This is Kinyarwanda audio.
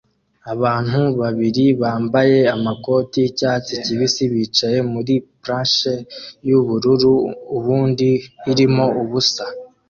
Abantu babiri bambaye amakoti yicyatsi kibisi bicaye muri blachers yubururu ubundi irimo ubusa